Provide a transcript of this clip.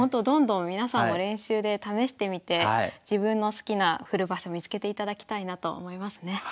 どんどん皆さんも練習で試してみて自分の好きな振る場所見つけていただきたいなと思いますね。